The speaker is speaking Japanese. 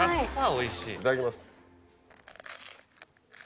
おいしい！